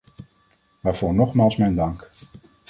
Waarvoor nogmaals mijn dank!